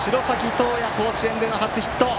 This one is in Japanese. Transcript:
透哉、甲子園での初ヒット！